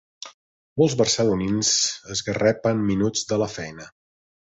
Molts barcelonins esgarrapen minuts de la feina.